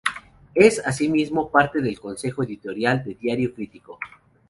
Es, asimismo, parte del Consejo Editorial de Diario Crítico.